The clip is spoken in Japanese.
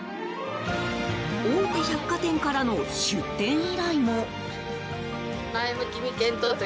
大手百貨店からの出店依頼も。